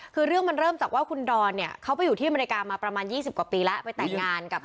คือเรื่องมันเริ่มจากว่าคุณดอนเนี่ยเขาไปอยู่ที่อเมริกามาประมาณ๒๐กว่าปีแล้วไปแต่งงานกับ